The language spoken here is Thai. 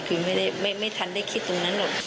คือไม่ทันได้คิดตรงนั้นหรอก